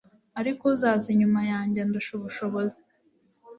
ariko uzaza inyuma yanjye andusha ubushobozi,